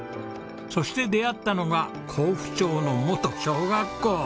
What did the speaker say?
そして出会ったのが江府町の元小学校。